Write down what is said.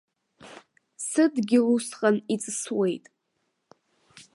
Сыдгьыл усҟан иҵысуеит.